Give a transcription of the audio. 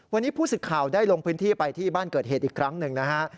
วันนี้ผู้สึกข่าวได้ลงพื้นที่ไปที่บ้านเกิดเหตุอีกครั้งหนึ่งนะฮะ